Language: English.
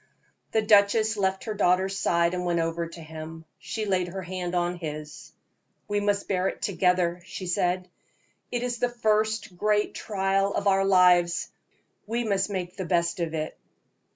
The duchess left her daughter's side and went over to him. She laid her hand on his. "We must bear it together," she said. "It is the first great trial of our lives we must make the best of it."